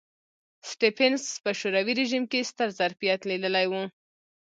سټېفنس په شوروي رژیم کې ستر ظرفیت لیدلی و